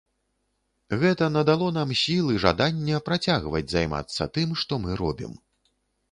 Гэта надало нам сіл і жадання працягваць займацца тым, што мы робім.